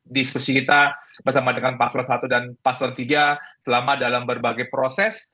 diskusi kita bersama dengan pasro i dan pasro iii selama dalam berbagai proses